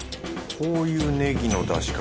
こういうネギの出し方